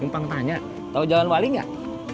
tumpang tanya tau jalan waling gak